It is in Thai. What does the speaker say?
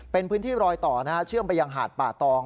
เป็นพื้นที่รอยต่อนะฮะเชื่อมไปยังหาดป่าตอง